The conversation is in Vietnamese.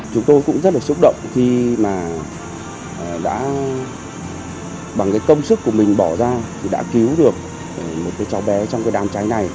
chúng tôi cũng rất là xúc động khi mà đã bằng cái công sức của mình bỏ ra thì đã cứu được một cái cháu bé trong cái đám cháy này